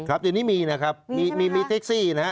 ครับทีนี้มีนะครับมีแท็กซี่นะฮะ